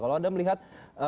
kalau anda melihat